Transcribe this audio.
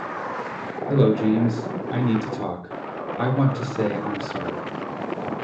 Hello, James, I need to talk. I want to say I'm sorry.